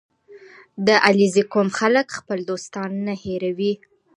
• د علیزي قوم خلک خپل دوستان نه هېروي.